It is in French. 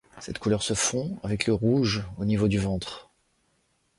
Cette couleur se fond avec le rouge au niveau du ventre.